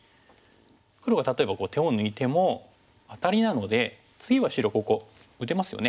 黒が例えば手を抜いてもアタリなので次は白ここ打てますよね。